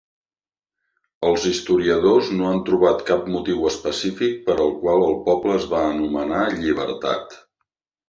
Els historiadors no han trobat cap motiu específic per el qual el poble es va anomenar Llibertat.